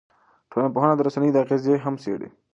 ټولنپوهنه د رسنیو اغېزې هم څېړي.